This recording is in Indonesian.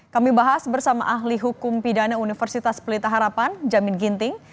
kami bahas bersama ahli hukum pidana universitas pelita harapan jamin ginting